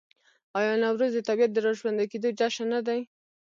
آیا نوروز د طبیعت د راژوندي کیدو جشن نه دی؟